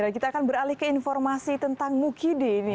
kita akan beralih ke informasi tentang mukidi ini